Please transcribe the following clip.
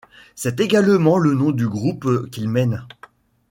C'est également le nom du groupe qu'il mène.